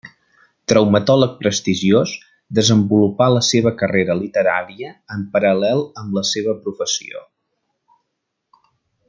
Traumatòleg prestigiós, desenvolupà la seva carrera literària en paral·lel amb la seva professió.